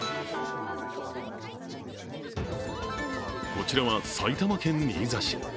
こちらは埼玉県新座市。